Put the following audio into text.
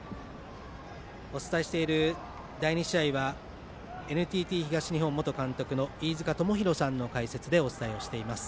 お伝えしている第２試合はＮＴＴ東日本元監督の飯塚智広さんの解説でお伝えしています。